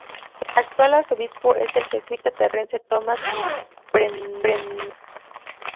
El actual arzobispo es el jesuita Terrence Thomas Prendergast.